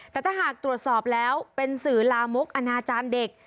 แต่ถ้าหากตรวจสอบแล้วเป็นสื่อลามกอนาจารย์เด็ก